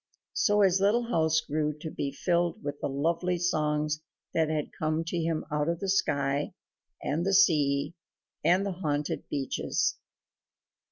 So his little house grew to be filled with the lovely songs that had come to him out of the sky and the sea and the haunted beeches.